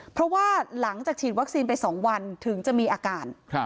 เพราะว่าหลังจากฉีดวัคซีนไป๒วันถึงจะมีอาการ